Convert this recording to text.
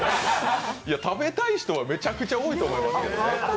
いや、食べたい人はめちゃくちゃ多いと思いますよ。